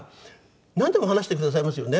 なんでも話してくださいますよね。